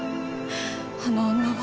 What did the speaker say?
あの女は。